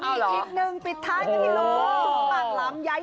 อ้าวเหรออีกหนึ่งปิดท้ายกันที่โลกปากลำยาย